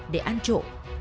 để ăn trộm